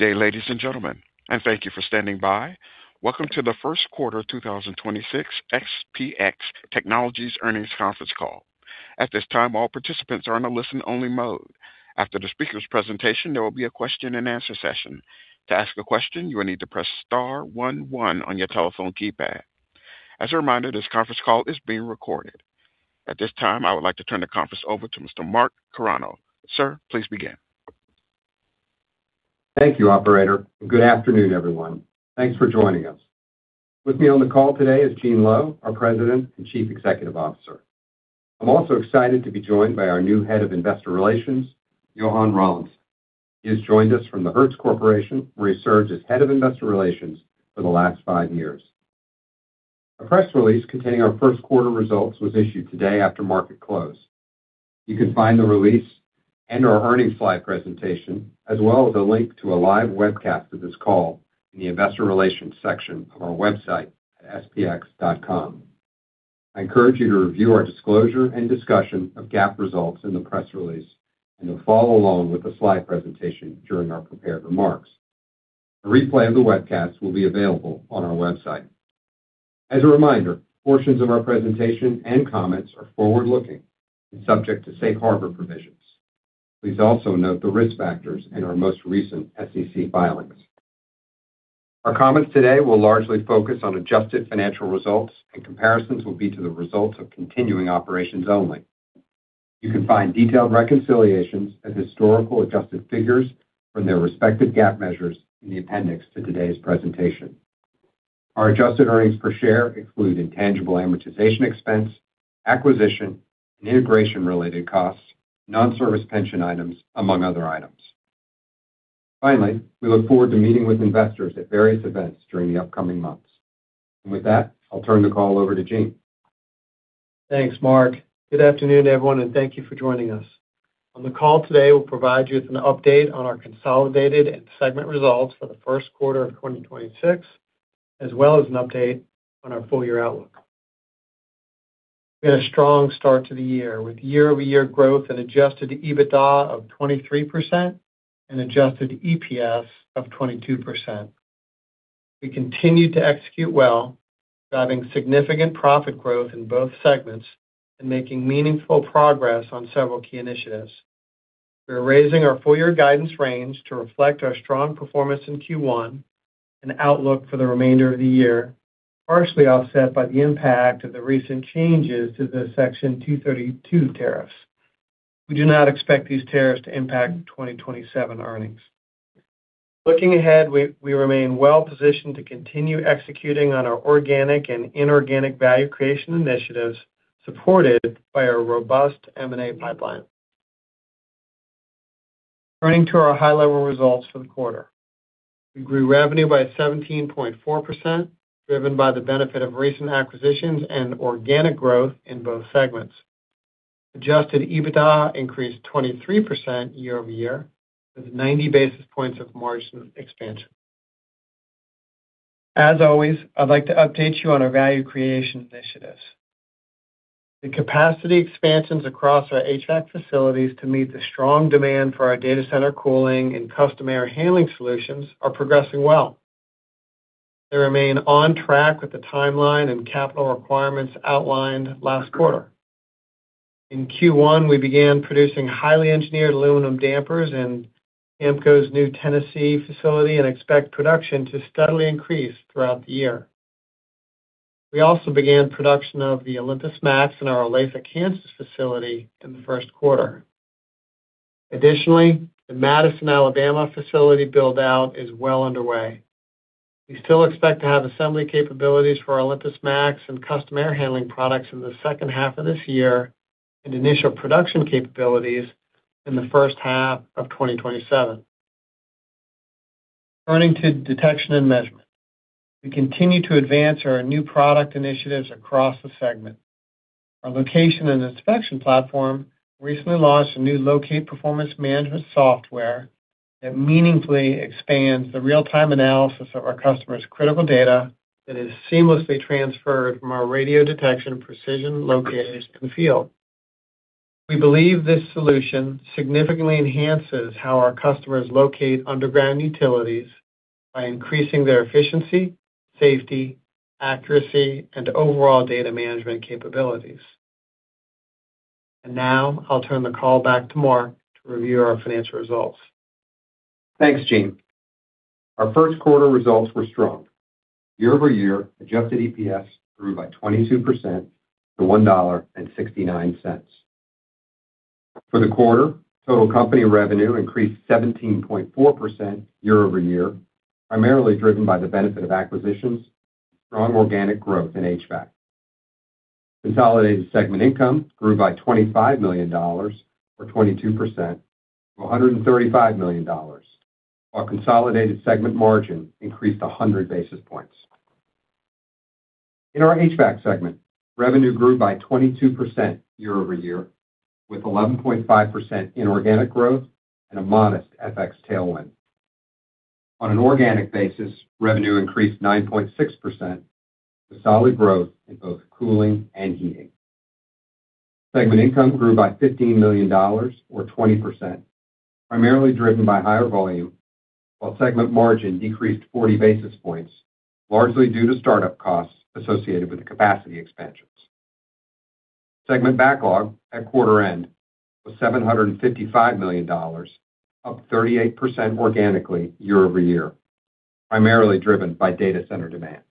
Good day, ladies and gentlemen, thank you for standing by. Welcome to the first quarter 2026 SPX Technologies earnings conference call. At this time, all participants are in a listen-only mode. After the speaker's presentation, there will be a question-and-answer session. To ask a question, you will need to press star one one on your telephone keypad. As a reminder, this conference call is being recorded. At this time, I would like to turn the conference over to Mr. Mark Carano. Sir, please begin. Thank you, operator, and good afternoon, everyone. Thanks for joining us. With me on the call today is Gene Lowe, our President and Chief Executive Officer. I'm also excited to be joined by our new Head of Investor Relations, Johann Rawlinson. He has joined us from The Hertz Corporation, where he served as Head of Investor Relations for the last five years. A press release containing our first quarter results was issued today after market close. You can find the release and our earnings slide presentation, as well as a link to a live webcast of this call in the investor relations section of our website at spx.com. I encourage you to review our disclosure and discussion of GAAP results in the press release and to follow along with the slide presentation during our prepared remarks. A replay of the webcast will be available on our website. As a reminder, portions of our presentation and comments are forward-looking and subject to Safe Harbor provisions. Please also note the risk factors in our most recent SEC filings. Our comments today will largely focus on adjusted financial results, and comparisons will be to the results of continuing operations only. You can find detailed reconciliations and historical adjusted figures from their respective GAAP measures in the appendix to today's presentation. Our adjusted earnings per share include intangible amortization expense, acquisition, and integration-related costs, non-service pension items, among other items. Finally, we look forward to meeting with investors at various events during the upcoming months. With that, I'll turn the call over to Gene. Thanks, Mark. Good afternoon, everyone, and thank you for joining us. On the call today, we'll provide you with an update on our consolidated and segment results for the first quarter of 2026, as well as an update on our full-year outlook. We had a strong start to the year with year-over-year growth and adjusted EBITDA of 23% and adjusted EPS of 22%. We continued to execute well, driving significant profit growth in both segments and making meaningful progress on several key initiatives. We are raising our full-year guidance range to reflect our strong performance in Q1 and outlook for the remainder of the year, partially offset by the impact of the recent changes to the Section 232 tariffs. We do not expect these tariffs to impact 2027 earnings. Looking ahead, we remain well-positioned to continue executing on our organic and inorganic value creation initiatives supported by our robust M&A pipeline. Turning to our high-level results for the quarter. We grew revenue by 17.4%, driven by the benefit of recent acquisitions and organic growth in both segments. Adjusted EBITDA increased 23% year-over-year, with 90 basis points of margin expansion. As always, I'd like to update you on our value creation initiatives. The capacity expansions across our HVAC facilities to meet the strong demand for our data center cooling and custom air handling solutions are progressing well. They remain on track with the timeline and capital requirements outlined last quarter. In Q1, we began producing highly engineered aluminum dampers in TAMCO's new Tennessee facility and expect production to steadily increase throughout the year. We also began production of the Marley OlympusMAX in our Olathe, Kansas facility in the first quarter. Additionally, the Madison, Alabama facility build-out is well underway. We still expect to have assembly capabilities for Marley OlympusMAX and custom air handling products in the second half of this year and initial production capabilities in the first half of 2027. Turning to Detection & Measurement. We continue to advance our new product initiatives across the segment. Our location and inspection platform recently launched a new Locate Performance Management software that meaningfully expands the real-time analysis of our customers' critical data that is seamlessly transferred from our Radiodetection precision locators in the field. We believe this solution significantly enhances how our customers locate underground utilities by increasing their efficiency, safety, accuracy, and overall data management capabilities. Now I'll turn the call back to Mark to review our financial results. Thanks, Gene. Our first quarter results were strong. Year-over-year, adjusted EPS grew by 22% to $1.69. For the quarter, total company revenue increased 17.4% year-over-year, primarily driven by the benefit of acquisitions and strong organic growth in HVAC. Consolidated segment income grew by $25 million, or 22% to $135 million, while consolidated segment margin increased 100 basis points. In our HVAC segment, revenue grew by 22% year-over-year, with 11.5% inorganic growth and a modest FX tailwind. On an organic basis, revenue increased 9.6% with solid growth in both cooling and heating. Segment income grew by $15 million, or 20%, primarily driven by higher volume, while segment margin decreased 40 basis points, largely due to startup costs associated with the capacity expansions. Segment backlog at quarter end was $755 million, up 38% organically year-over-year, primarily driven by data center demand.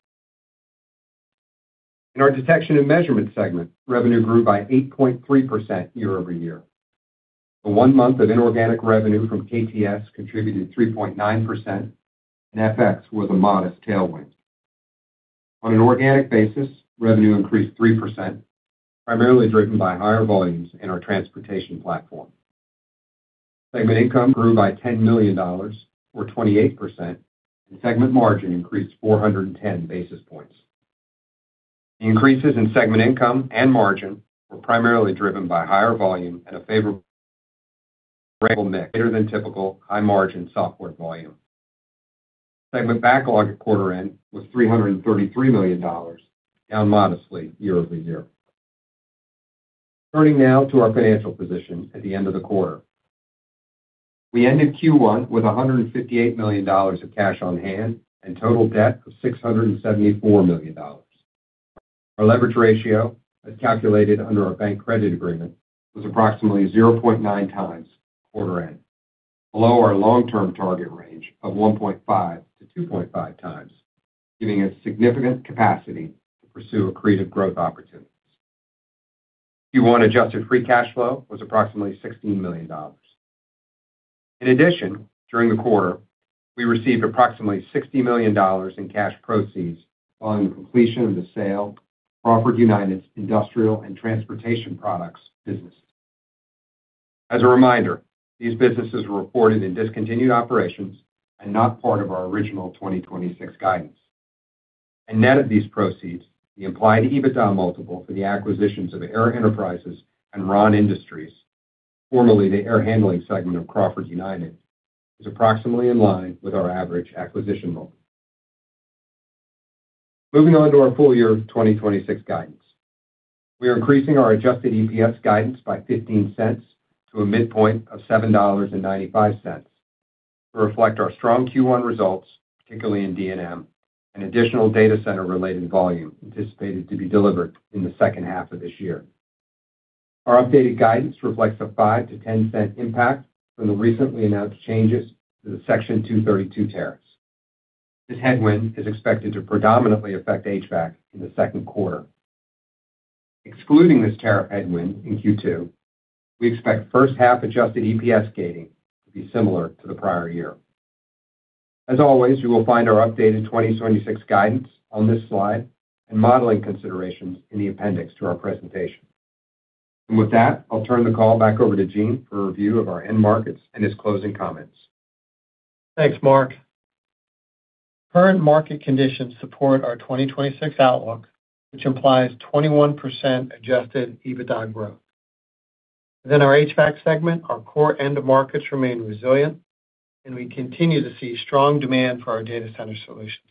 In our Detection and Measurement segment, revenue grew by 8.3% year-over-year. The one month of inorganic revenue from KTS contributed 3.9%, FX was a modest tailwind. On an organic basis, revenue increased 3%, primarily driven by higher volumes in our transportation platform. Segment income grew by $10 million, or 28%, Segment margin increased 410 basis points. Increases in segment income and margin were primarily driven by higher volume and a favorable mix, greater than typical high-margin software volume. Segment backlog at quarter end was $333 million, down modestly year-over-year. Turning now to our financial position at the end of the quarter. We ended Q1 with $158 million of cash on hand and total debt of $674 million. Our leverage ratio, as calculated under our bank credit agreement, was approximately 0.9x quarter end, below our long-term target range of 1.5x-2.5x, giving us significant capacity to pursue accretive growth opportunities. Q1 adjusted free cash flow was approximately $16 million. During the quarter, we received approximately $60 million in cash proceeds following the completion of the sale of Crawford United's Industrial and Transportation Products businesses. As a reminder, these businesses were reported in discontinued operations and not part of our original 2026 guidance. Net of these proceeds, the implied EBITDA multiple for the acquisitions of Air Enterprises and Rahn Industries, formerly the Air Handling segment of Crawford United, is approximately in line with our average acquisition multiple. Moving on to our full year 2026 guidance. We are increasing our adjusted EPS guidance by $0.15 to a midpoint of $7.95 to reflect our strong Q1 results, particularly in D&M, and additional data center-related volume anticipated to be delivered in the second half of this year. Our updated guidance reflects a $0.05-$0.10 impact from the recently announced changes to the Section 232 tariffs. This headwind is expected to predominantly affect HVAC in the second quarter. Excluding this tariff headwind in Q2, we expect first half adjusted EPS gating to be similar to the prior year. As always, you will find our updated 2026 guidance on this slide and modeling considerations in the appendix to our presentation. With that, I'll turn the call back over to Eugene for a review of our end markets and his closing comments. Thanks, Mark. Current market conditions support our 2026 outlook, which implies 21% adjusted EBITDA growth. Within our HVAC segment, our core end markets remain resilient, and we continue to see strong demand for our data center solutions.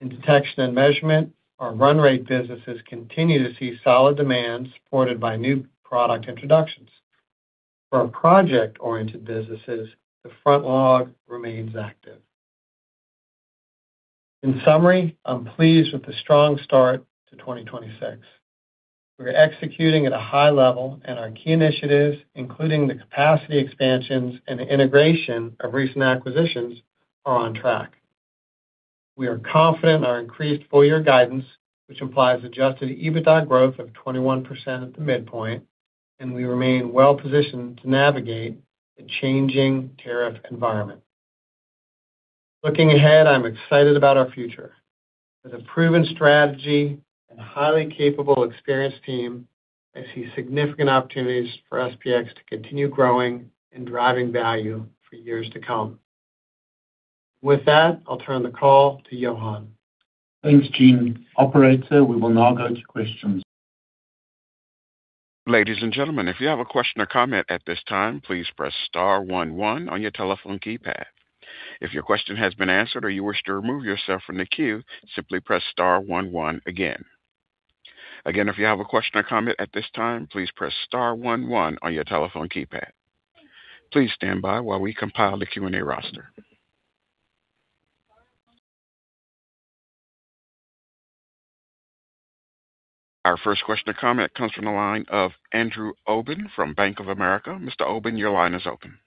In Detection and Measurement, our run rate businesses continue to see solid demand supported by new product introductions. For our project-oriented businesses, the front log remains active. In summary, I'm pleased with the strong start to 2026. We are executing at a high level, and our key initiatives, including the capacity expansions and the integration of recent acquisitions, are on track. We are confident in our increased full-year guidance, which implies adjusted EBITDA growth of 21% at the midpoint, and we remain well positioned to navigate the changing tariff environment. Looking ahead, I'm excited about our future. With a proven strategy and a highly capable, experienced team, I see significant opportunities for SPX to continue growing and driving value for years to come. With that, I'll turn the call to Johann Rawlinson. Thanks, Gene. Operator, we will now go to questions. Ladies and gentlemen, if you have a question or comment at this time, please press star one one on your telephone keypad. If your question has been answered or you wish to remove yourself from the queue, simply press star one one again. Again, if you have a question or comment at this time, please press star one one on your telephone keypad. Please stand by while we compile the Q&A roster. Our first question or comment comes from the line of Andrew Obin from Bank of America. Mr. Obin, your line is open.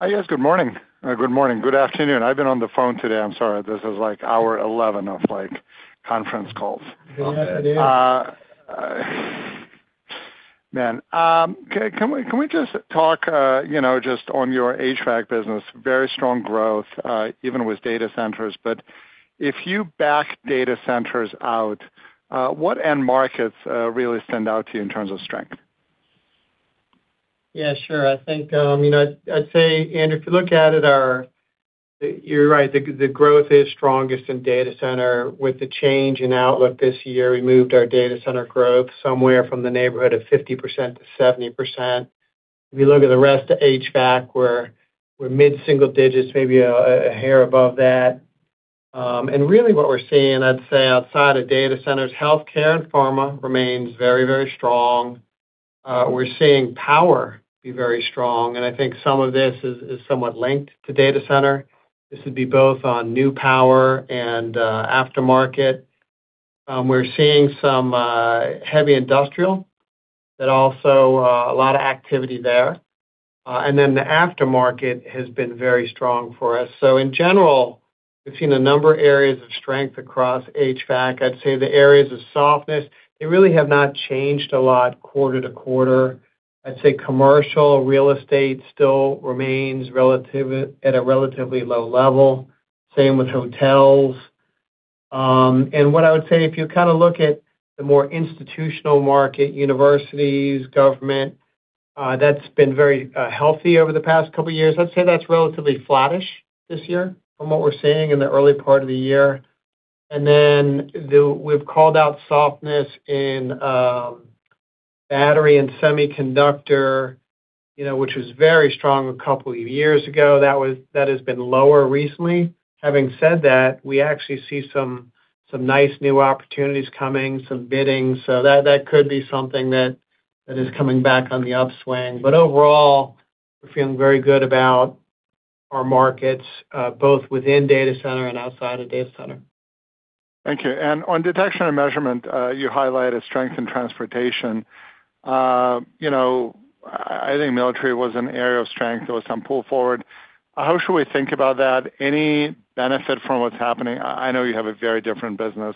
Hi, yes. Good morning. Good morning. Good afternoon. I've been on the phone today. I'm sorry. This is like hour 11 of, like, conference calls. Yes, it is. Man. Can we just talk, you know, just on your HVAC business? Very strong growth, even with data centers. If you back data centers out, what end markets really stand out to you in terms of strength? Yeah, sure. I think, you know, I'd say, Andrew, you're right, the growth is strongest in data center. With the change in outlook this year, we moved our data center growth somewhere from the neighborhood of 50% to 70%. If you look at the rest of HVAC, we're mid-single digits, maybe a hair above that. Really what we're seeing, I'd say outside of data centers, healthcare and pharma remains very, very strong. We're seeing power be very strong, I think some of this is somewhat linked to data center. This would be both on new power and aftermarket. We're seeing some heavy industrial that also a lot of activity there. The aftermarket has been very strong for us. In general, we've seen a number of areas of strength across HVAC. I'd say the areas of softness, they really have not changed a lot quarter-to-quarter. I'd say commercial real estate still remains at a relatively low level, same with hotels. What I would say, if you kinda look at the more institutional market, universities, government, that's been very healthy over the past couple of years. I'd say that's relatively flattish this year from what we're seeing in the early part of the year. We've called out softness in battery and semiconductor, you know, which was very strong a couple of years ago. That has been lower recently. Having said that, we actually see some nice new opportunities coming, some bidding. That, that could be something that is coming back on the upswing. Overall, we're feeling very good about our markets, both within data center and outside of data center. Thank you. On Detection & Measurement, you highlighted strength in transportation. You know, I think military was an area of strength. There was some pull forward. How should we think about that? Any benefit from what's happening? I know you have a very different business,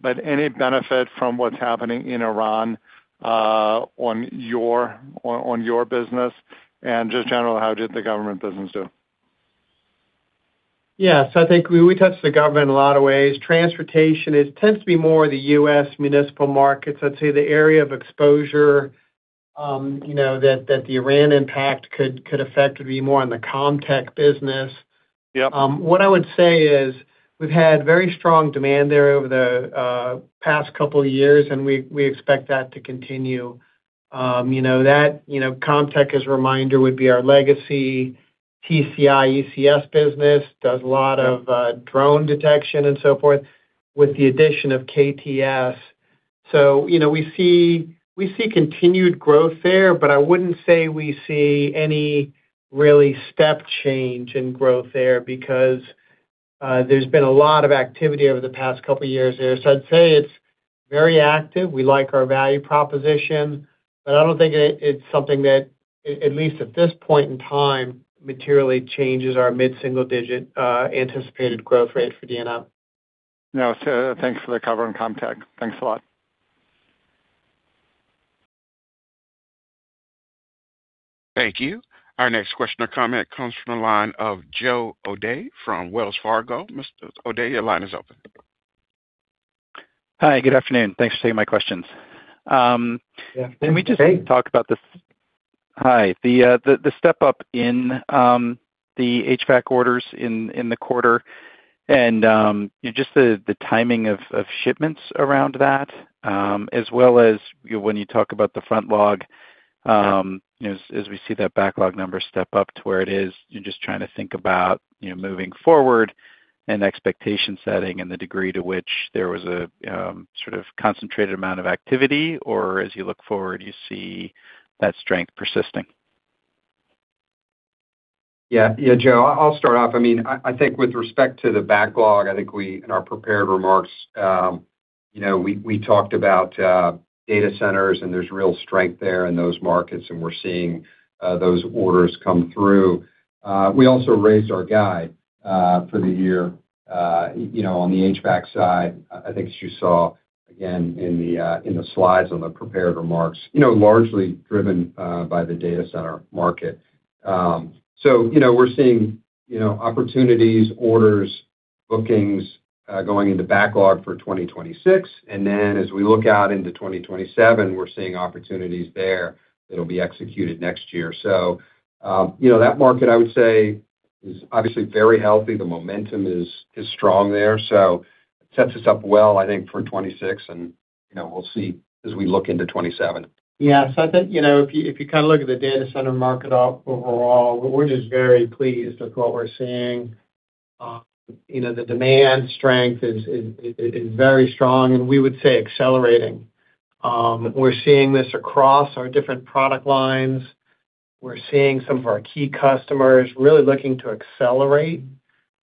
but any benefit from what's happening in Iran, on your business? Just in general, how did the government business do? Yeah. I think we touched the government in a lot of ways. Transportation, it tends to be more the U.S. municipal markets. I'd say the area of exposure, you know, that the Iran impact could affect would be more on the CommTech business. Yep. What I would say is we've had very strong demand there over the past couple of years, and we expect that to continue. You know, that, you know, CommTech, as a reminder, would be our legacy TCI ECS business. Does a lot of drone detection and so forth with the addition of KTS. You know, we see, we see continued growth there, but I wouldn't say we see any really step change in growth there because there's been a lot of activity over the past couple of years there. I'd say it's very active. We like our value proposition, but I don't think it's something that, at least at this point in time, materially changes our mid-single-digit anticipated growth rate for DNM. No. Thanks for the cover on CommTech. Thanks a lot. Thank you. Our next question or comment comes from the line of Joe O'Dea from Wells Fargo. Mr. O'Dea, your line is open. Hi, good afternoon. Thanks for taking my questions. Yeah. Thanks, Joe. Can we just talk about the Hi. The step-up in the HVAC orders in the quarter and just the timing of shipments around that, as well as when you talk about the front log, you know, as we see that backlog number step up to where it is, you're just trying to think about, you know, moving forward and expectation setting and the degree to which there was a sort of concentrated amount of activity or as you look forward, you see that strength persisting. Yeah. Yeah, Joe, I'll start off. I mean, I think with respect to the backlog, I think we, in our prepared remarks, you know, we talked about data centers, and there's real strength there in those markets, and we're seeing those orders come through. We also raised our guide for the year, you know, on the HVAC side. I think as you saw again in the slides on the prepared remarks, you know, largely driven by the data center market. You know, we're seeing, you know, opportunities, orders, bookings, going into backlog for 2026. As we look out into 2027, we're seeing opportunities there that'll be executed next year. You know, that market, I would say, is obviously very healthy. The momentum is strong there, it sets us up well, I think, for 2026. You know, we'll see as we look into 2027. Yeah. I think, you know, if you, if you kinda look at the data center market overall, we're just very pleased with what we're seeing. You know, the demand strength is very strong, and we would say accelerating. We're seeing this across our different product lines. We're seeing some of our key customers really looking to accelerate,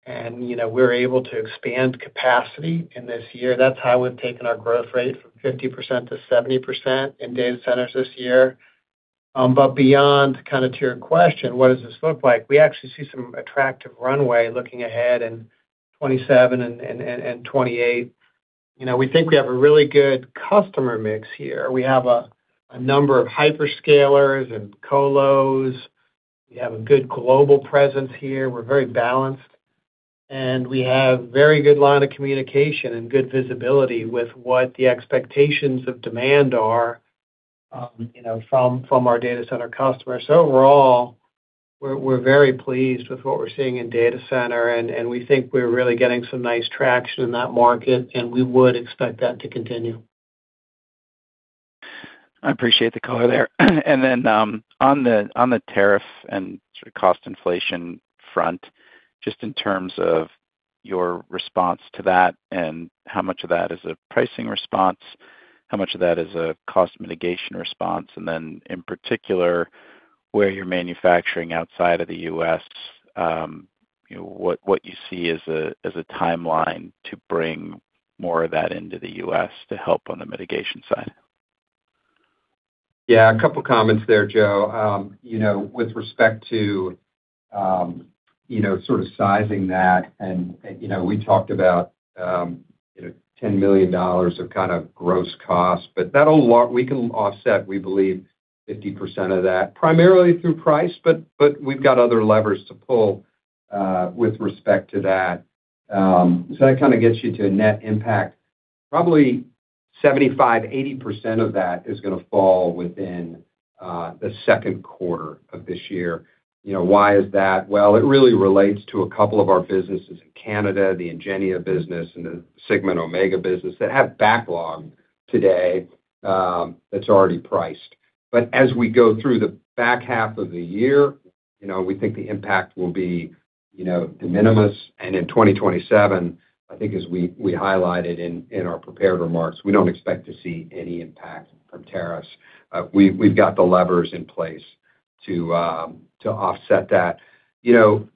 and, you know, we're able to expand capacity in this year. That's how we've taken our growth rate from 50% to 70% in data centers this year. Beyond kinda to your question, what does this look like? We actually see some attractive runway looking ahead in 2027 and 2028. You know, we think we have a really good customer mix here. We have a number of hyperscalers and colos. We have a good global presence here. We're very balanced, and we have very good line of communication and good visibility with what the expectations of demand are, you know, from our data center customers. Overall, we're very pleased with what we're seeing in data center, and we think we're really getting some nice traction in that market, and we would expect that to continue. I appreciate the color there. On the, on the tariff and sort of cost inflation front, just in terms of your response to that and how much of that is a pricing response, how much of that is a cost mitigation response, and then in particular, where you're manufacturing outside of the U.S., you know, what you see as a, as a timeline to bring more of that into the U.S. to help on the mitigation side? A couple comments there, Joe. You know, with respect to, you know, sort of sizing that and, you know, we talked about, you know, $10 million of kind of gross cost, but that we can offset, we believe, 50% of that, primarily through price, but we've got other levers to pull with respect to that. That kind of gets you to a net impact. Probably 75%-80% of that is gonna fall within the 2nd quarter of this year. You know, why is that? It really relates to a couple of our businesses in Canada, the Ingenia business and the Sigma and Omega business that have backlog today that's already priced. As we go through the back half of the year, you know, we think the impact will be, you know, de minimis. In 2027, I think as we highlighted in our prepared remarks, we don't expect to see any impact from tariffs. We've got the levers in place to offset that. You know,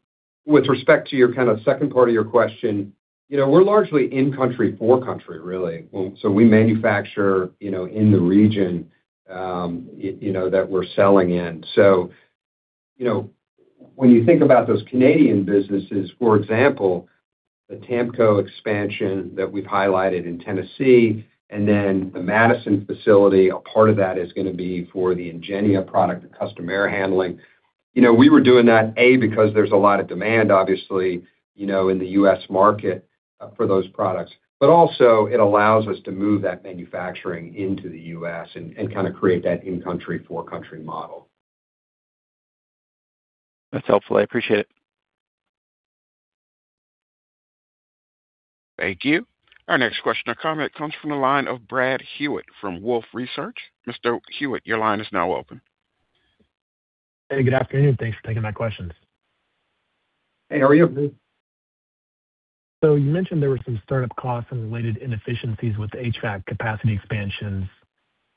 with respect to your kind of second part of your question, you know, we're largely in country for country really. We manufacture, you know, in the region, you know, that we're selling in. You know, when you think about those Canadian businesses, for example, the TAMCO expansion that we've highlighted in Tennessee and then the Madison facility, a part of that is gonna be for the Ingenia product, the custom air handling. You know, we were doing that, A, because there's a lot of demand, obviously, you know, in the U.S. market for those products. Also it allows us to move that manufacturing into the U.S. and kinda create that in-country for country model. That's helpful. I appreciate it. Thank you. Our next question or comment comes from the line of Brad Hewitt from Wolfe Research. Mr. Hewitt, your line is now open. Hey, good afternoon. Thanks for taking my questions. Hey, how are you? You mentioned there were some startup costs and related inefficiencies with the HVAC capacity expansions.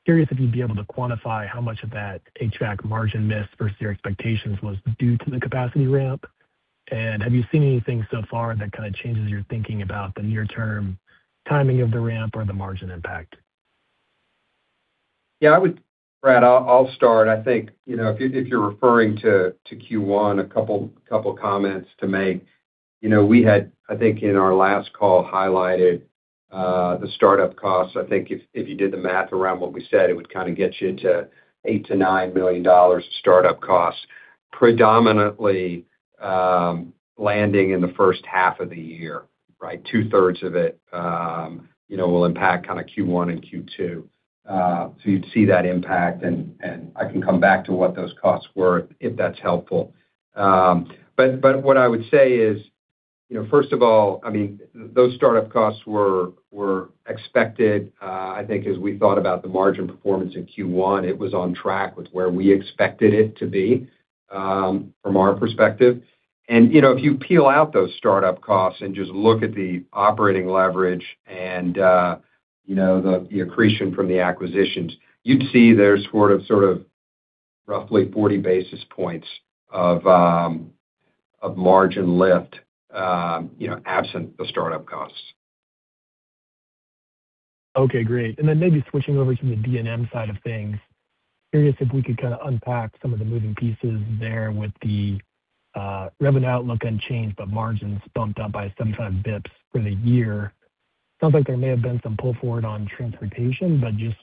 Curious if you'd be able to quantify how much of that HVAC margin miss versus your expectations was due to the capacity ramp. Have you seen anything so far that kind of changes your thinking about the near term timing of the ramp or the margin impact? Yeah, Brad, I'll start. I think, you know, if you're referring to Q1, a couple comments to make. You know, we had, I think in our last call highlighted the startup costs. I think if you did the math around what we said, it would kind of get you to $8 million-$9 million of startup costs, predominantly landing in the first half of the year, right? 2/3 of it, you know, will impact kind of Q1 and Q2. You'd see that impact and I can come back to what those costs were if that's helpful. What I would say is, you know, first of all, I mean, those startup costs were expected. I think as we thought about the margin performance in Q1, it was on track with where we expected it to be from our perspective. You know, if you peel out those startup costs and just look at the operating leverage and, you know, the accretion from the acquisitions, you'd see there's sort of roughly 40 basis points of margin lift, you know, absent the startup costs. Okay, great. Maybe switching over to the D&M side of things. Curious if we could kinda unpack some of the moving pieces there with the revenue outlook unchanged, but margins bumped up by 75 basis points for the year. Sounds like there may have been some pull forward on transportation, just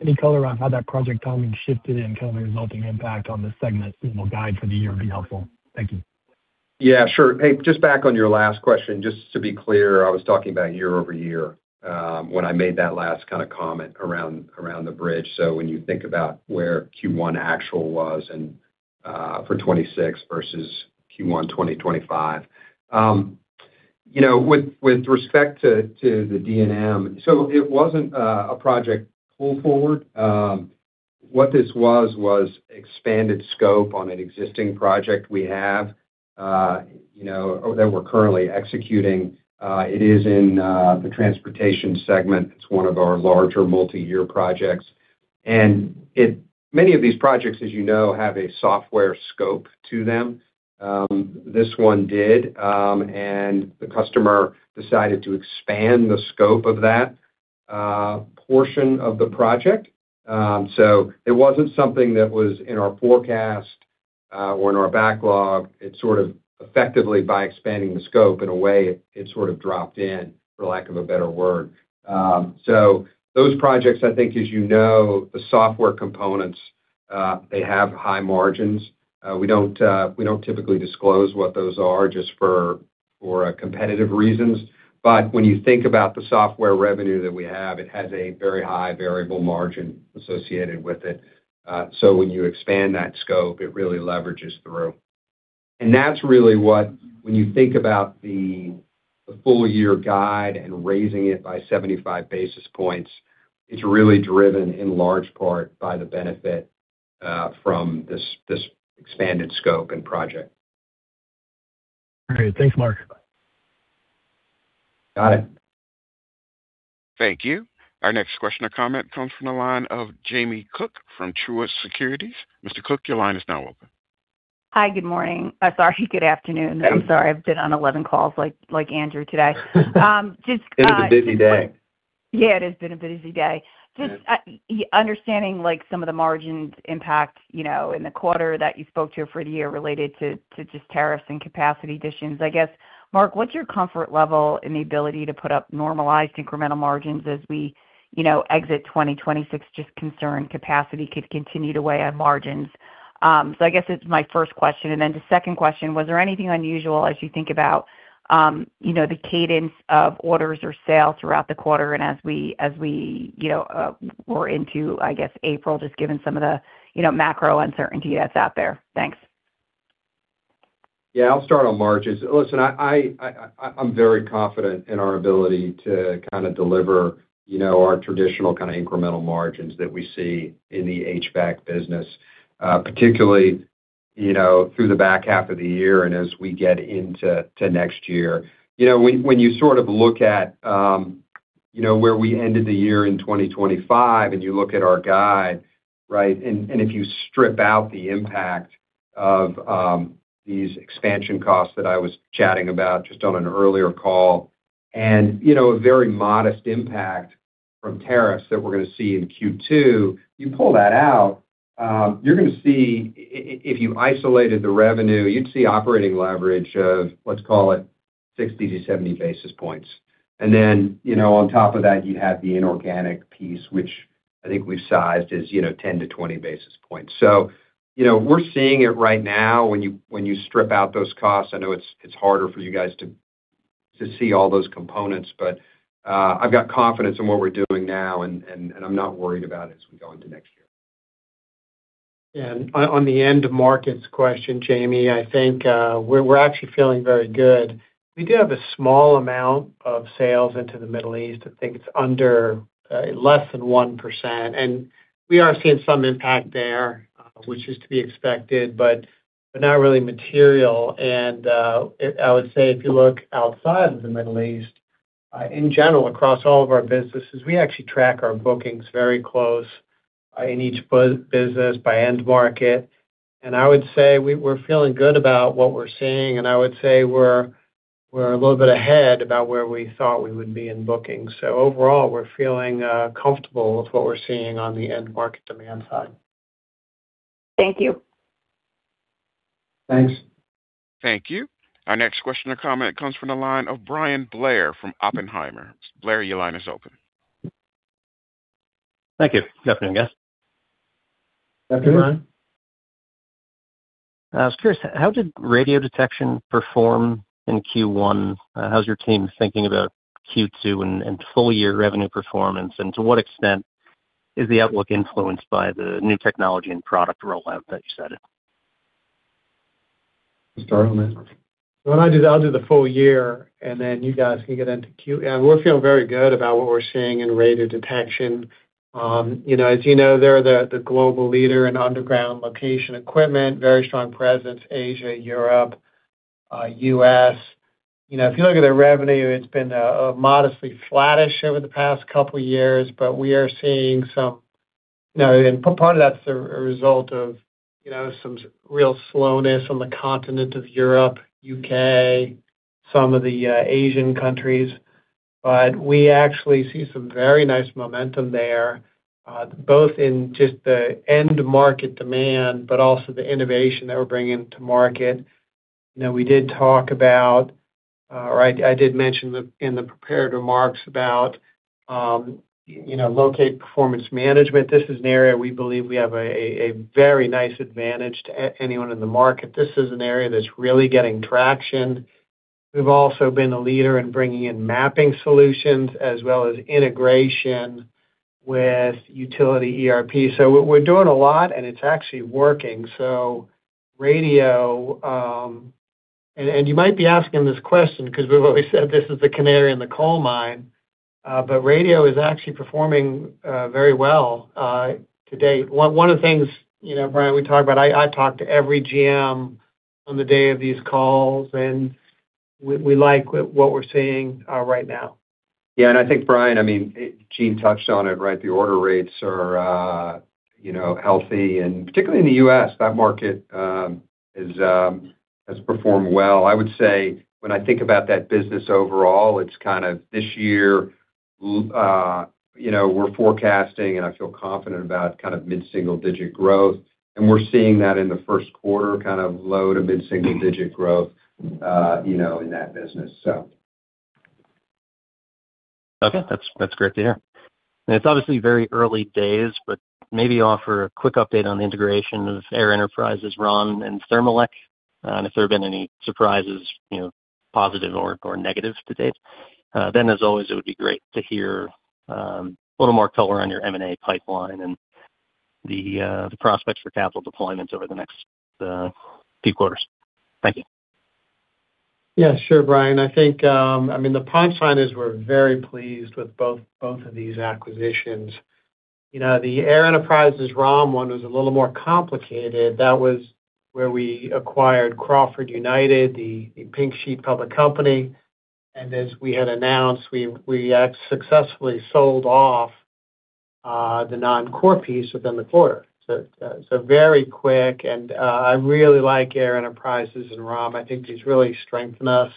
any color on how that project timing shifted and kind of the resulting impact on the segment guide for the year would be helpful. Thank you. Yeah, sure. Hey, just back on your last question, just to be clear, I was talking about year-over-year when I made that last kind of comment around the bridge. When you think about where Q1 actual was and for 2026 versus Q1 2025. You know, with respect to the D&M, so it wasn't a project pull forward. What this was expanded scope on an existing project we have, you know, or that we're currently executing. It is in the transportation segment. It's one of our larger multi-year projects. Many of these projects, as you know, have a software scope to them. This one did, and the customer decided to expand the scope of that portion of the project. It wasn't something that was in our forecast or in our backlog. It sort of effectively by expanding the scope in a way it sort of dropped in, for lack of a better word. Those projects, I think as you know, the software components, they have high margins. We don't, we don't typically disclose what those are just for competitive reasons. When you think about the software revenue that we have, it has a very high variable margin associated with it. When you expand that scope, it really leverages through. That's really what, when you think about the full year guide and raising it by 75 basis points, it's really driven in large part by the benefit from this expanded scope and project. Great. Thanks, Mark. Got it. Thank you. Our next question or comment comes from the line of Jamie Cook from Truist Securities. Mrs. Cook, your line is now open. Hi, good morning. Sorry, good afternoon. I'm sorry. I've been on 11 calls like Andrew today. It is a busy day. Yeah, it has been a busy day. Just understanding, like, some of the margins impact, you know, in the quarter that you spoke to for the year related to just tariffs and capacity additions, I guess, Mark, what's your comfort level in the ability to put up normalized incremental margins as we, you know, exit 2026? Just concerned capacity could continue to weigh on margins. So I guess it's my first question. The second question, was there anything unusual as you think about, you know, the cadence of orders or sales throughout the quarter and as we, you know, we're into, I guess, April, just given some of the, you know, macro uncertainty that's out there? Thanks. Yeah, I'll start on margins. Listen, I'm very confident in our ability to kinda deliver, you know, our traditional kinda incremental margins that we see in the HVAC business, particularly, you know, through the back half of the year and as we get into next year. You know, when you sort of look at, you know, where we ended the year in 2025, and you look at our guide, right? And if you strip out the impact of these expansion costs that I was chatting about just on an earlier call, and, you know, a very modest impact from tariffs that we're gonna see in Q2, you pull that out, you're gonna see if you isolated the revenue, you'd see operating leverage of, let's call it 60-70 basis points. Then, you know, on top of that, you have the inorganic piece, which I think we've sized as, you know, 10-20 basis points. You know, we're seeing it right now when you, when you strip out those costs. I know it's harder for you guys to see all those components, but, I've got confidence in what we're doing now, and I'm not worried about it as we go into next year. On the end markets question, Jamie, I think we're actually feeling very good. We do have a small amount of sales into the Middle East. I think it's under less than 1%. We are seeing some impact there, which is to be expected, but not really material. I would say if you look outside of the Middle East, in general, across all of our businesses, we actually track our bookings very close in each business by end market. I would say we're feeling good about what we're seeing, and I would say we're a little bit ahead about where we thought we would be in bookings. Overall, we're feeling comfortable with what we're seeing on the end market demand side. Thank you. Thanks. Thank you. Our next question or comment comes from the line of Bryan Blair from Oppenheimer. Blair, your line is open. Thank you. Good afternoon, guys. Good afternoon. Good morning. I was curious, how did Radiodetection perform in Q1? How's your team thinking about Q2 and full year revenue performance? To what extent is the outlook influenced by the new technology and product rollout that you said? You can start on that one. Well, I'll do the full year, then you guys can get into Q. We're feeling very good about what we're seeing in Radiodetection. You know, as you know, they're the global leader in underground location equipment, very strong presence, Asia, Europe, U.S. You know, if you look at their revenue, it's been modestly flattish over the past couple of years. Part of that's a result of, you know, real slowness on the continent of Europe, U.K., some of the Asian countries. We actually see some very nice momentum there, both in just the end market demand, but also the innovation that we're bringing to market. You know, we did talk about, or I did mention in the prepared remarks about, you know, Locate Performance Management. This is an area we believe we have a very nice advantage to anyone in the market. This is an area that's really getting traction. We've also been a leader in bringing in mapping solutions as well as integration with utility ERP. We're doing a lot, and it's actually working. Radiodetection, and you might be asking this question 'cause we've always said this is the canary in the coal mine, Radiodetection is actually performing very well to date. One of the things, you know, Bryan Blair, we talk about, I talk to every GM on the day of these calls, and we like what we're seeing right now. Yeah, I think, Bryan, I mean, Gene touched on it, right? The order rates are, you know, healthy, particularly in the U.S. That market has performed well. I would say when I think about that business overall, it's kind of this year, you know, we're forecasting and I feel confident about kind of mid-single digit growth. We're seeing that in the first quarter, kind of low to mid-single digit growth, you know, in that business. Okay. That's great to hear. It's obviously very early days, but maybe offer a quick update on the integration of Air Enterprises, Rahn and Thermolec, and if there have been any surprises, positive or negatives to date. As always, it would be great to hear a little more color on your M&A pipeline and the prospects for capital deployments over the next few quarters. Thank you. Yeah, sure, Bryan. I think, I mean, the prime signers were very pleased with both of these acquisitions. You know, the Air Enterprises, Rahn one was a little more complicated. That was where we acquired Crawford United, the pink sheet public company. As we had announced, we successfully sold off the non-core piece within the quarter. So very quick and I really like Air Enterprises and Rahn. I think these really strengthen us.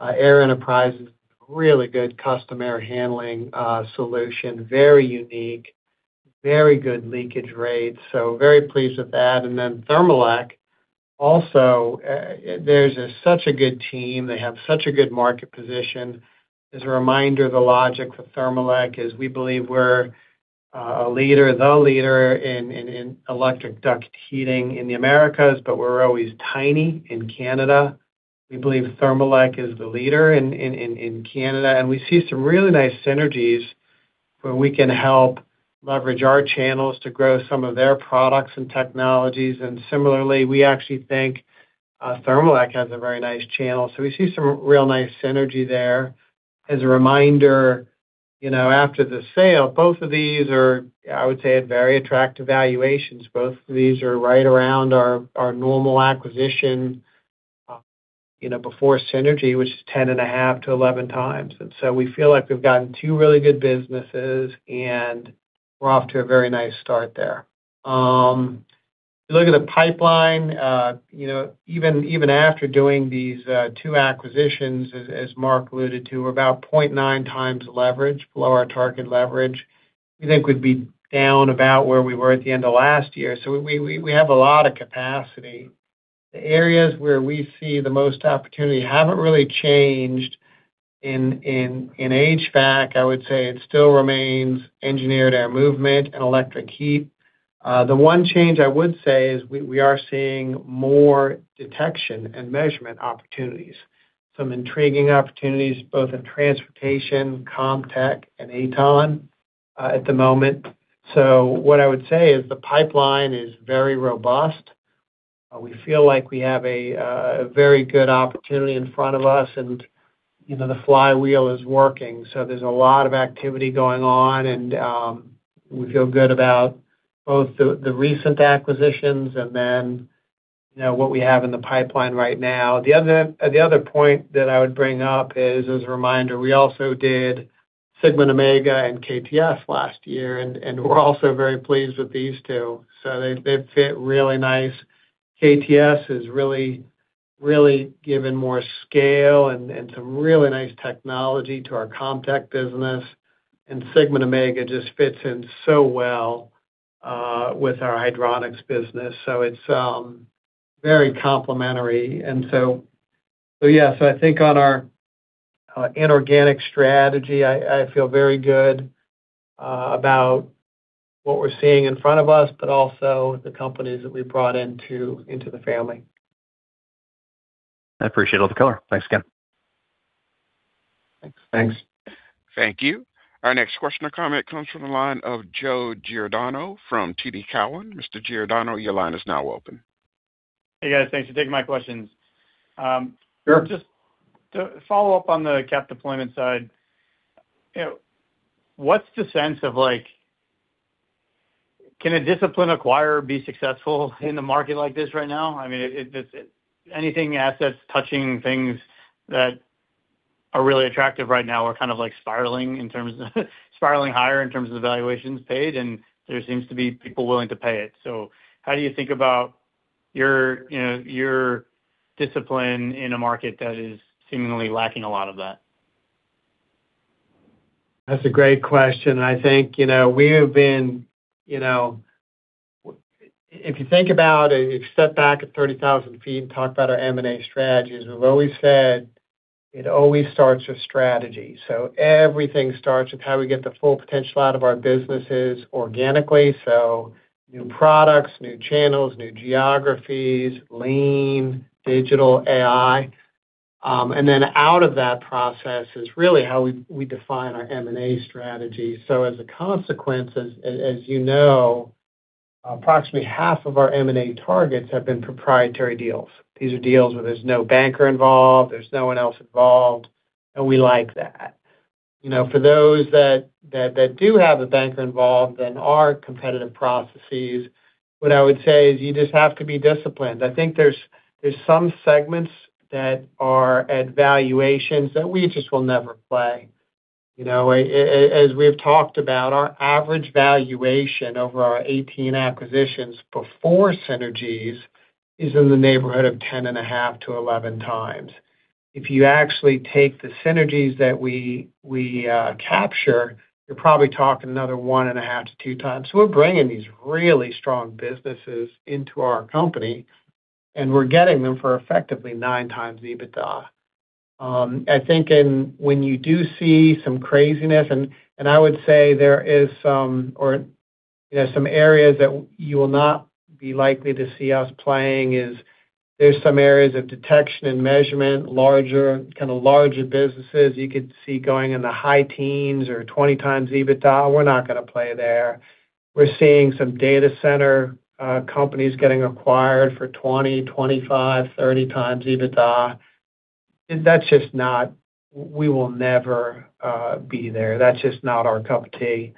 Air Enterprises, really good customer handling solution, very unique, very good leakage rates, so very pleased with that. Then Thermolec also, there's a such a good team. They have such a good market position. As a reminder, the logic for Thermolec is we believe we're a leader, the leader in electric duct heating in the Americas, but we're always tiny in Canada. We believe Thermolec is the leader in Canada. We see some really nice synergies where we can help leverage our channels to grow some of their products and technologies. Similarly, we actually think Thermolec has a very nice channel. We see some real nice synergy there. As a reminder, you know, after the sale, both of these are, I would say, at very attractive valuations. Both of these are right around our normal acquisition, you know, before synergy, which is 10.5x-11x. We feel like we've gotten two really good businesses, and we're off to a very nice start there. If you look at the pipeline, you know, even after doing these two acquisitions, as Mark alluded to, we're about 0.9x leverage, below our target leverage. We think we'd be down about where we were at the end of last year. We have a lot of capacity. The areas where we see the most opportunity haven't really changed in HVAC. I would say it still remains engineered air movement and electric heat. The one change I would say is we are seeing more Detection & Measurement opportunities, some intriguing opportunities both in transportation, CommTech and AtoN at the moment. What I would say is the pipeline is very robust. We feel like we have a very good opportunity in front of us, and you know, the flywheel is working. There's a lot of activity going on, and we feel good about both the recent acquisitions and then, you know, what we have in the pipeline right now. The other point that I would bring up is, as a reminder, we also did Sigma Omega and KTS last year, and we're also very pleased with these two. They fit really nice. KTS has really given more scale and some really nice technology to our CommTech business. Sigma Omega just fits in so well with our hydronics business. It's very complementary. Yes, I think on our inorganic strategy, I feel very good about what we're seeing in front of us, but also the companies that we brought into the family. I appreciate all the color. Thanks again. Thanks. Thank you. Our next question or comment comes from the line of Joe Giordano from TD Cowen. Mr. Giordano, your line is now open. Hey, guys. Thanks for taking my questions. Sure. Just to follow up on the CapEx deployment side, you know, what's the sense of like, can a discipline acquirer be successful in the market like this right now? I mean, it anything assets touching things that are really attractive right now are kind of like spiraling higher in terms of valuations paid, and there seems to be people willing to pay it. How do you think about your, you know, your discipline in a market that is seemingly lacking a lot of that? That's a great question. I think, you know, we have been. If you think about it, if you step back at 30,000 ft and talk about our M&A strategies, we've always said it always starts with strategy. Everything starts with how we get the full potential out of our businesses organically. New products, new channels, new geographies, lean digital AI. Then out of that process is really how we define our M&A strategy. As a consequence, as you know, approximately half of our M&A targets have been proprietary deals. These are deals where there's no banker involved, there's no one else involved, and we like that. You know, for those that do have a banker involved and are competitive processes, what I would say is you just have to be disciplined. I think there's some segments that are at valuations that we just will never play. You know, as we have talked about, our average valuation over our 18 acquisitions before synergies is in the neighborhood of 10.5x-11x. If you actually take the synergies that we capture, you're probably talking another 1.5x-2x. We're bringing these really strong businesses into our company, and we're getting them for effectively 9x EBITDA. I think when you do see some craziness, and I would say there is some or, you know, some areas that you will not be likely to see us playing is. There's some areas of Detection & Measurement, larger businesses you could see going in the high teens or 20x EBITDA. We're not gonna play there. We're seeing some data center companies getting acquired for 20x, 25x, 30x EBITDA. We will never be there. That's just not our cup of tea.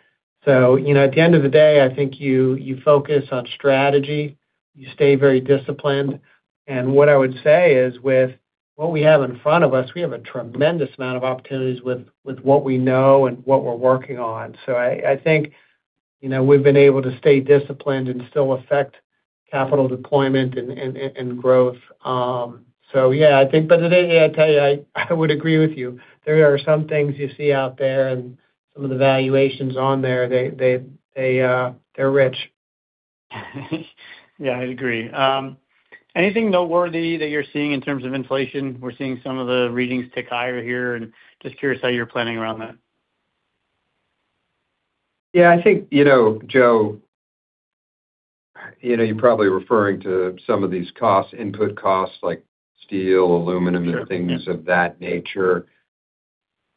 You know, at the end of the day, I think you focus on strategy, you stay very disciplined. What I would say is, with what we have in front of us, we have a tremendous amount of opportunities with what we know and what we're working on. I think, you know, we've been able to stay disciplined and still affect capital deployment and growth. Yeah, I think but today, I tell you, I would agree with you. There are some things you see out there and some of the valuations on there, they're rich. Yeah, I agree. Anything noteworthy that you're seeing in terms of inflation? We're seeing some of the readings tick higher here. Just curious how you're planning around that. Yeah, I think, you know, Joe, you know, you're probably referring to some of these costs, input costs like steel, aluminum and things of that nature.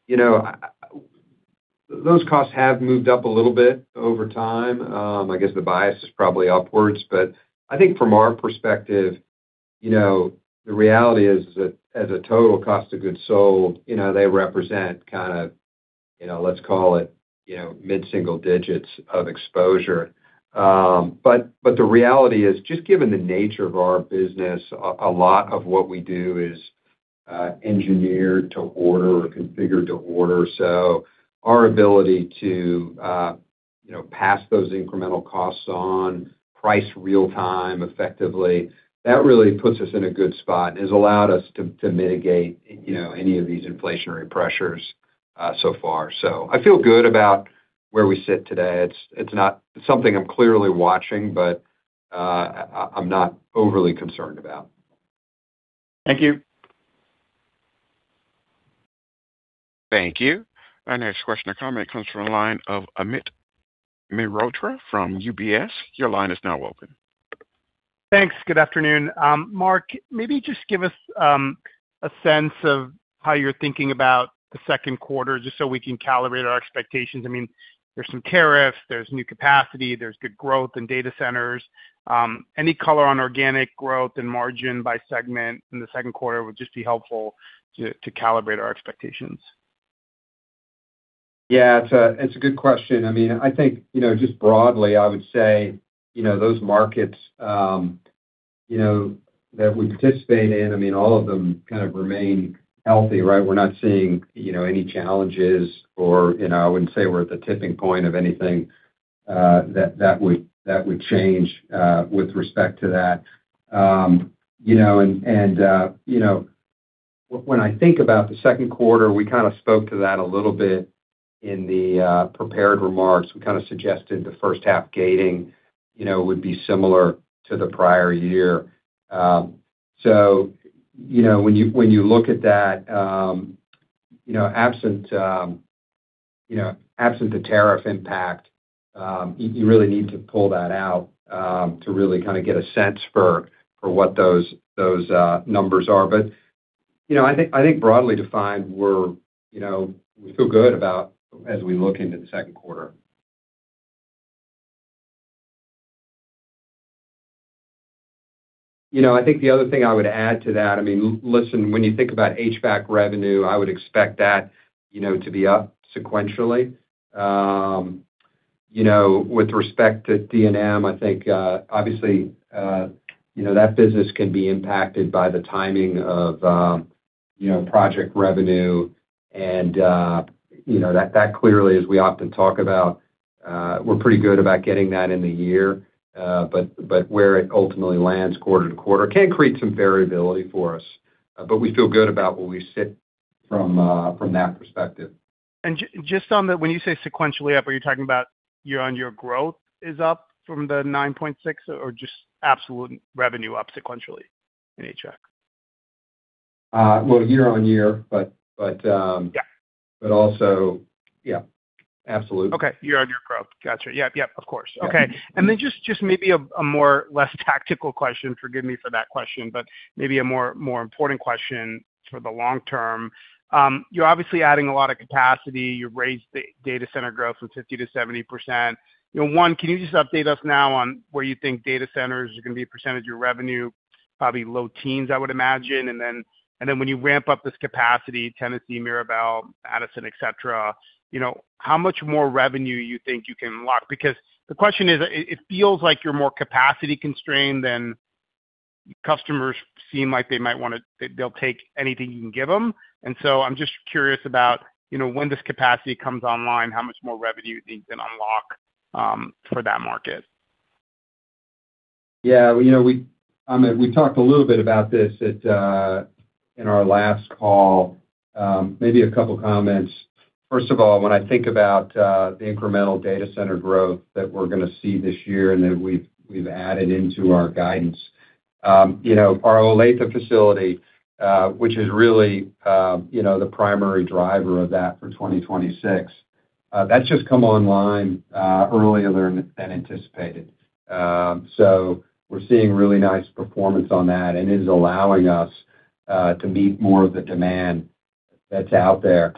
You know, those costs have moved up a little bit over time. I guess the bias is probably upwards. I think from our perspective, you know, the reality is that as a total cost of goods sold, you know, they represent kinda, you know, let's call it, you know, mid-single digits of exposure. But the reality is, just given the nature of our business, a lot of what we do is engineered to order or configured to order. Our ability to, you know, pass those incremental costs on price real-time effectively, that really puts us in a good spot and has allowed us to mitigate, you know, any of these inflationary pressures so far. I feel good about where we sit today. It's not something I'm clearly watching, but I'm not overly concerned about. Thank you. Thank you. Our next question or comment comes from the line of Amit Mehrotra from UBS. Your line is now open. Thanks. Good afternoon. Mark, maybe just give us a sense of how you're thinking about the second quarter, just so we can calibrate our expectations. I mean, there's some tariffs, there's new capacity, there's good growth in data centers. Any color on organic growth and margin by segment in the second quarter would just be helpful to calibrate our expectations. Yeah, it's a good question. I mean, I think, you know, just broadly, I would say, you know, those markets, you know, that we participate in, I mean, all of them kind of remain healthy, right? We're not seeing, you know, any challenges or, you know, I wouldn't say we're at the tipping point of anything that would change with respect to that. You know, and, you know, when I think about the second quarter, we kinda spoke to that a little bit in the prepared remarks. We kinda suggested the first half gating, you know, would be similar to the prior year. You know, when you, when you look at that, you know, absent, you know, absent the tariff impact, you really need to pull that out, to really kinda get a sense for what those numbers are. You know, I think broadly defined, we're, we feel good about as we look into the second quarter. I think the other thing I would add to that, listen, when you think about HVAC revenue, I would expect that to be up sequentially. With respect to D&M, I think obviously that business can be impacted by the timing of project revenue. That clearly, as we often talk about, we're pretty good about getting that in the year. Where it ultimately lands quarter to quarter can create some variability for us. We feel good about where we sit from that perspective. Just when you say sequentially up, are you talking about year-on-year growth is up from the 9.6 or just absolute revenue up sequentially in HVAC? Well, year-on-year, but. Yeah but also, yeah, absolute. Okay. Year-over-year growth. Got you. Yep, of course. Yeah. Okay. Just maybe a less tactical question, forgive me for that question, but maybe a more important question for the long term. You're obviously adding a lot of capacity. You raised the data center growth from 50% to 70%. You know, one, can you just update us now on where you think data centers are gonna be a percentage of your revenue? Probably low teens, I would imagine. When you ramp up this capacity, Tennessee, Mirabel, Madison, et cetera, you know, how much more revenue you think you can unlock? Because the question is, it feels like you're more capacity-constrained than customers seem like they'll take anything you can give them. I'm just curious about, you know, when this capacity comes online, how much more revenue you think you can unlock for that market. Yeah. You know, Amit, we talked a little bit about this at in our last call. Maybe a couple comments. First of all, when I think about the incremental data center growth that we're gonna see this year and that we've added into our guidance, you know, our Olathe facility, which is really, you know, the primary driver of that for 2026, that's just come online earlier than anticipated. We're seeing really nice performance on that, and it is allowing us to meet more of the demand that's out there.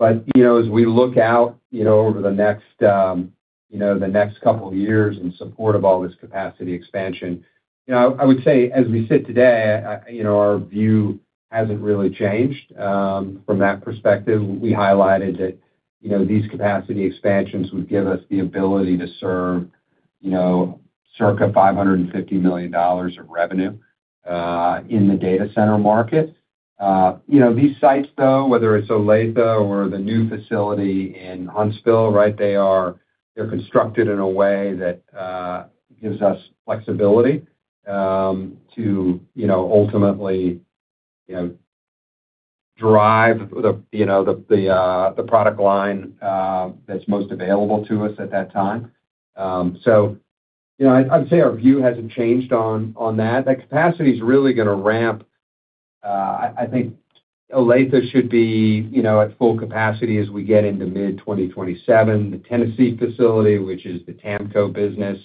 You know, as we look out, you know, over the next, you know, the next couple of years in support of all this capacity expansion, you know, I would say as we sit today, you know, our view hasn't really changed from that perspective. We highlighted that, you know, these capacity expansions would give us the ability to serve, you know, circa $550 million of revenue in the data center market. You know, these sites though, whether it's Olathe or the new facility in Huntsville, right? They're constructed in a way that gives us flexibility to, you know, ultimately, you know, drive the product line that's most available to us at that time. You know, I'd say our view hasn't changed on that. That capacity's really gonna ramp. I think Olathe should be, you know, at full capacity as we get into mid-2027. The Tennessee facility, which is the TAMCO business,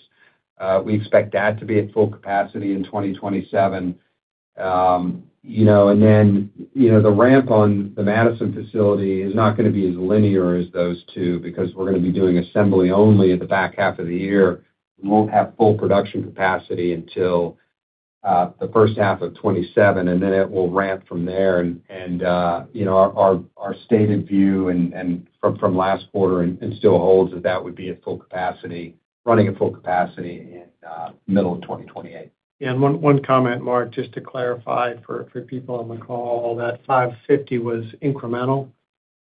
we expect that to be at full capacity in 2027. You know, then, you know, the ramp on the Madison facility is not gonna be as linear as those two because we're gonna be doing assembly only at the back half of the year. We won't have full production capacity until the first half of 2027, then it will ramp from there. You know, our, our stated view and from last quarter and still holds that that would be at full capacity, running at full capacity in middle of 2028. Yeah, one comment, Mark, just to clarify for people on the call, that 550 was incremental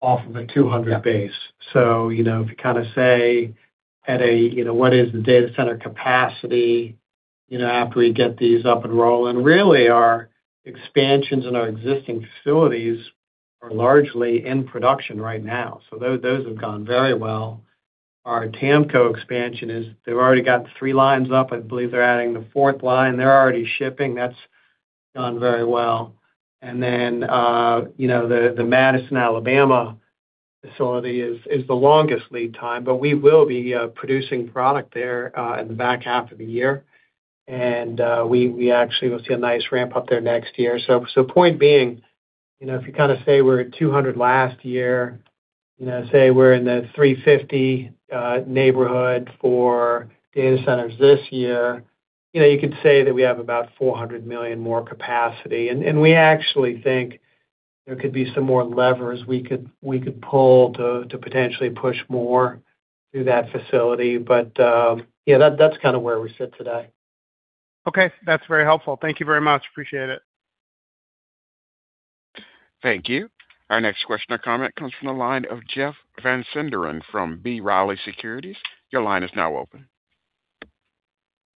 off of a 200 base. Yeah. You know, if you kind of say at a, you know, what is the data center capacity, you know, after we get these up and rolling. Really our expansions in our existing facilities are largely in production right now. Those have gone very well. Our TAMCO expansion is they've already got 3 lines up. I believe they're adding the fourth line. They're already shipping. That's gone very well. You know, the Madison, Alabama facility is the longest lead time, but we will be producing product there in the back half of the year. We actually will see a nice ramp up there next year. Point being, you know, if you kind of say we're at $200 million last year, you know, say we're in the $350 million neighborhood for data centers this year, you know, you could say that we have about $400 million more capacity. We actually think there could be some more levers we could pull to potentially push more through that facility. Yeah, that's kind of where we sit today. Okay. That's very helpful. Thank you very much. Appreciate it. Thank you. Our next question or comment comes from the line of Jeff Van Sinderen from B. Riley Securities. Your line is now open.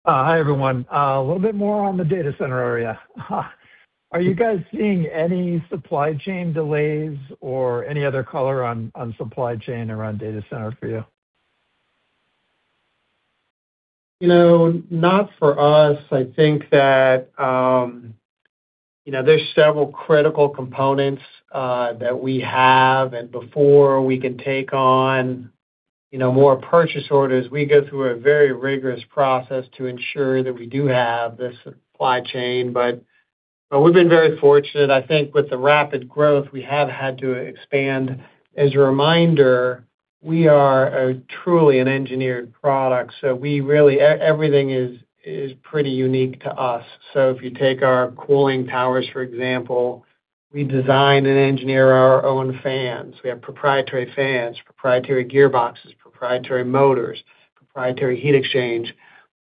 Hi, everyone. A little bit more on the data center area. Are you guys seeing any supply chain delays or any other color on supply chain around data center for you? You know, not for us. I think that, you know, there's several critical components that we have, and before we can take on, you know, more purchase orders, we go through a very rigorous process to ensure that we do have the supply chain. We've been very fortunate. I think with the rapid growth, we have had to expand. As a reminder, we are truly an engineered product, so we really everything is pretty unique to us. If you take our cooling towers, for example, we design and engineer our own fans. We have proprietary fans, proprietary gearboxes, proprietary motors, proprietary heat exchange.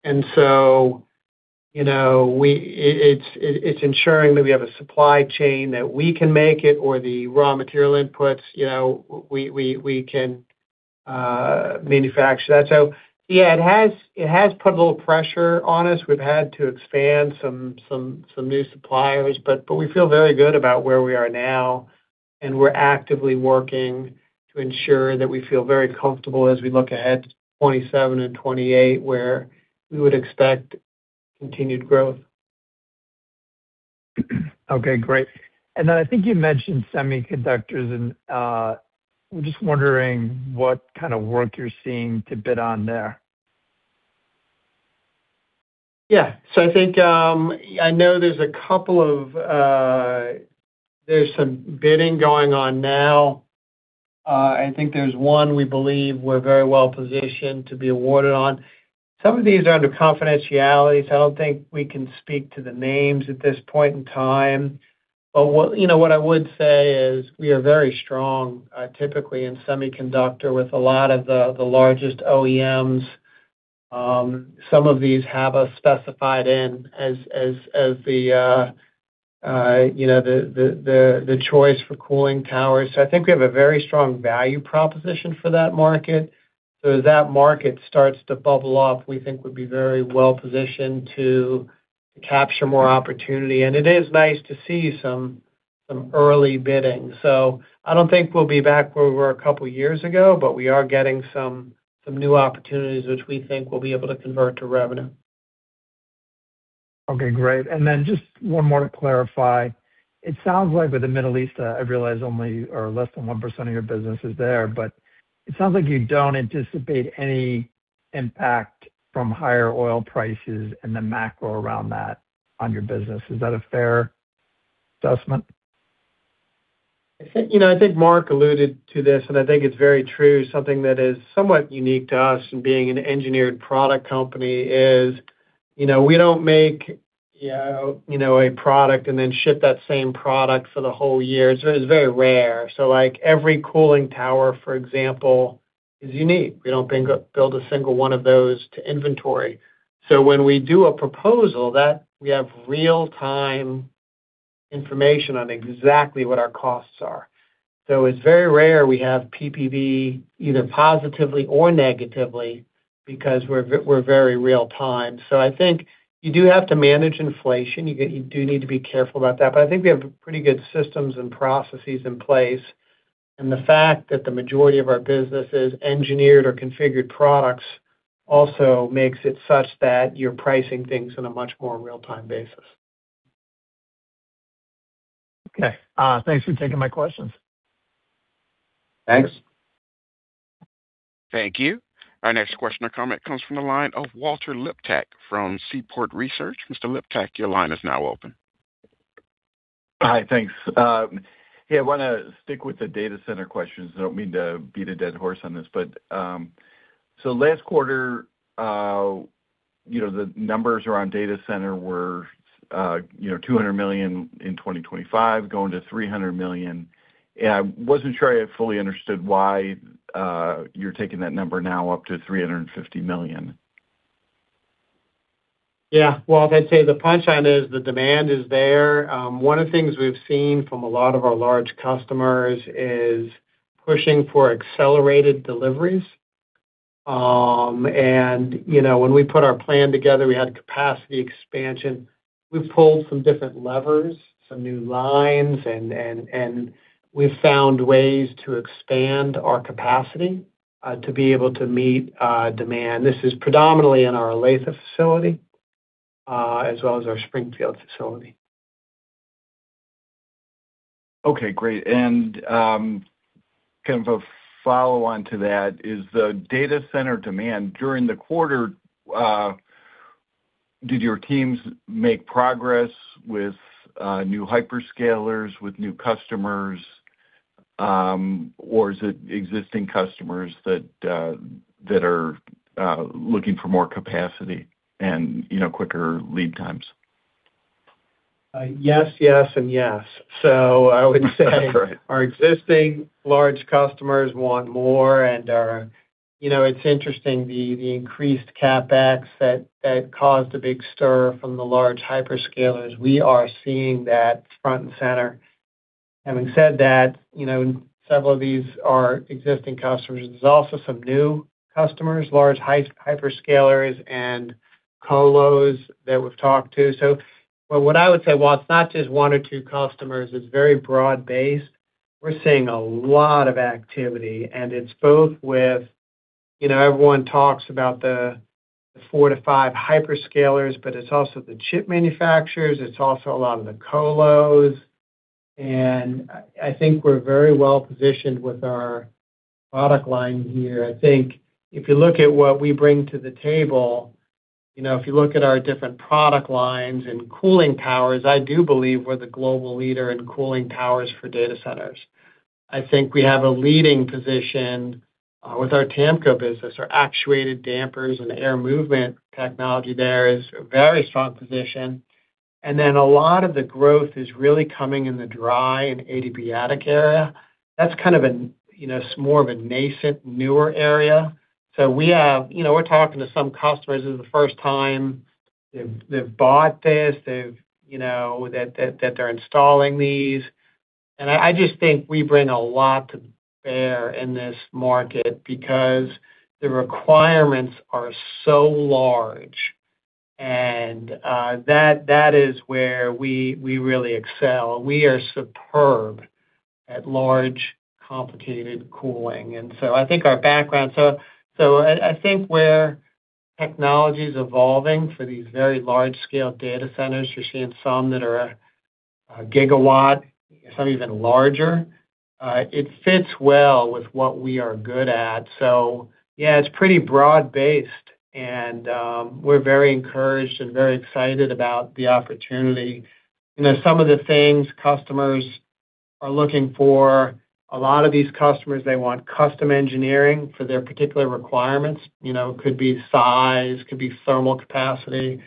You know, we it's ensuring that we have a supply chain that we can make it or the raw material inputs, you know, we can manufacture that. Yeah, it has put a little pressure on us. We've had to expand some new suppliers, but we feel very good about where we are now, and we're actively working to ensure that we feel very comfortable as we look ahead to 2027 and 2028, where we would expect continued growth. Okay, great. Then I think you mentioned semiconductors, and, I'm just wondering what kind of work you're seeing to bid on there? Yeah. I think I know there's a couple of, there's some bidding going on now. I think there's one we believe we're very well positioned to be awarded on. Some of these are under confidentiality, I don't think we can speak to the names at this point in time. What, you know, what I would say is we are very strong, typically in semiconductor with a lot of the largest OEMs. Some of these have us specified in as the, you know, the choice for cooling towers. I think we have a very strong value proposition for that market. As that market starts to bubble up, we think we'd be very well positioned to capture more opportunity. It is nice to see some early bidding. I don't think we'll be back where we were a couple years ago, but we are getting some new opportunities which we think we'll be able to convert to revenue. Okay, great. Just one more to clarify. It sounds like with the Middle East, I realize only or less than 1% of your business is there, but it sounds like you don't anticipate any impact from higher oil prices and the macro around that on your business. Is that a fair assessment? I think, you know, I think Mark alluded to this. I think it's very true, something that is somewhat unique to us in being an engineered product company is, you know, we don't make, you know, a product and then ship that same product for the whole year. It's very rare. Like, every cooling tower, for example, is unique. We don't build a single one of those to inventory. When we do a proposal that we have real-time information on exactly what our costs are. It's very rare we have PPV either positively or negatively because we're very real time. I think you do have to manage inflation. You do need to be careful about that. I think we have pretty good systems and processes in place. The fact that the majority of our business is engineered or configured products also makes it such that you're pricing things in a much more real-time basis. Thanks for taking my questions. Thanks. Thank you. Our next question or comment comes from the line of Walter Liptak from Seaport Research. Mr. Liptak, your line is now open. Hi. Thanks. Yeah, I wanna stick with the data center questions. I don't mean to beat a dead horse on this. Last quarter, the numbers around data center were $200 million in 2025, going to $300 million. I wasn't sure I fully understood why you're taking that number now up to $350 million. Yeah. Well, I'd say the punchline is the demand is there. One of the things we've seen from a lot of our large customers is pushing for accelerated deliveries. You know, when we put our plan together, we had capacity expansion. We've pulled some different levers, some new lines, and we've found ways to expand our capacity to be able to meet demand. This is predominantly in our Olathe facility as well as our Springfield facility. Okay, great. Kind of a follow-on to that is the data center demand during the quarter, did your teams make progress with new hyperscalers, with new customers, or is it existing customers that are looking for more capacity and, you know, quicker lead times? Yes, yes, and yes. Right Our existing large customers want more. You know, it's interesting, the increased CapEx that caused a big stir from the large hyperscalers. We are seeing that front and center. Having said that, you know, several of these are existing customers. There's also some new customers, large hyperscalers and colos that we've talked to. What I would say, while it's not just one or two customers, it's very broad-based. We're seeing a lot of activity, and it's both with, you know, everyone talks about the 4-5 hyperscalers, but it's also the chip manufacturers, it's also a lot of the colos. I think we're very well-positioned with our product line here. I think if you look at what we bring to the table, you know, if you look at our different product lines and cooling towers, I do believe we're the global leader in cooling towers for data centers. I think we have a leading position with our TAMCO business. Our actuated dampers and air movement technology there is a very strong position. Then a lot of the growth is really coming in the dry and adiabatic area. That's kind of a, you know, more of a nascent, newer area. We have, you know, we're talking to some customers, this is the first time they've bought this. They've, you know, that they're installing these. I just think we bring a lot to bear in this market because the requirements are so large, and that is where we really excel. We are superb at large, complicated cooling. I think where technology is evolving for these very large-scale data centers, you're seeing some that are a GW, some even larger, it fits well with what we are good at. Yeah, it's pretty broad-based, and we're very encouraged and very excited about the opportunity. You know, some of the things customers are looking for, a lot of these customers, they want custom engineering for their particular requirements. You know, could be size, could be thermal capacity,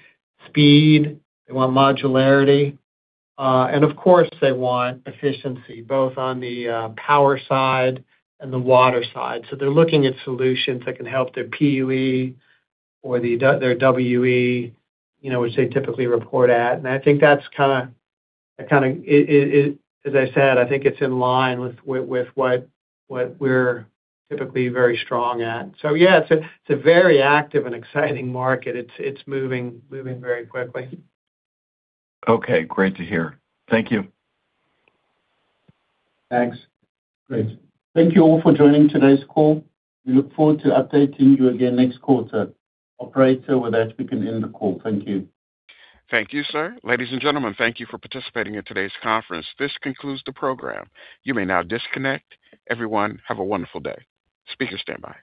speed, they want modularity. And of course, they want efficiency, both on the power side and the water side. They're looking at solutions that can help their PUE or their WUE, you know, which they typically report at. I think that's kinda it, as I said, I think it's in line with what we're typically very strong at. Yeah, it's a very active and exciting market. It's moving very quickly. Okay, great to hear. Thank you. Thanks. Great. Thank you all for joining today's call. We look forward to updating you again next quarter. Operator, with that, we can end the call. Thank you. Thank you, sir. Ladies and gentlemen, thank you for participating in today's conference. This concludes the program. You may now disconnect. Everyone, have a wonderful day. Speakers stand by.